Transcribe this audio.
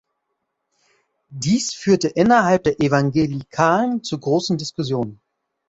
Dies führte innerhalb der Evangelikalen zu großen Diskussionen.